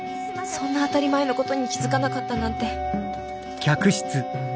そんな当たり前のことに気付かなかったなんて。